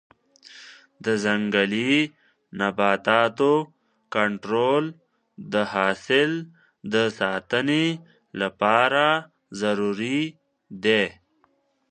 د ځنګلي نباتاتو کنټرول د حاصل د ساتنې لپاره ضروري دی.